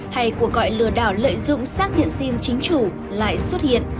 hay của gọi lừa đảo lợi dụng xác thiện sim chính chủ lại xuất hiện